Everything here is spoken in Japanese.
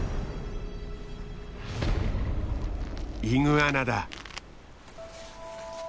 イグアナだ。